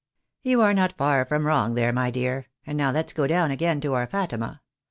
" You aie not far wrong there, my dear ; and now let's go down again to our Fatima.